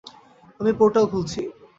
আমি পোর্টাল খুলছি।